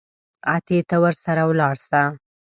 اتې ته ورسره ولاړ سه.